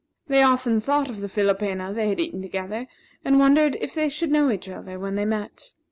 They often thought of the philopena they had eaten together, and wondered if they should know each other when they met.